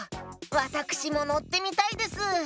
わたくしものってみたいです。